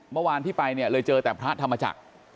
เมื่อวานที่ไปเนี่ยเลยเจอแต่พระธรรมจักร